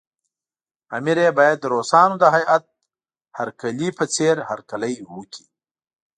امیر یې باید د روسانو د هیات هرکلي په څېر هرکلی وکړي.